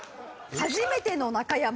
初めての中山。